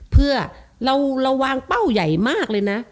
เพื่อเราวางเป้าใหญ่มากเลยนะ